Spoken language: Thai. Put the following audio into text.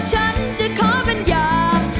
ฉันจะขอเป็นอย่าง